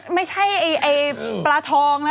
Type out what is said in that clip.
ไม่ใช่ไออะไร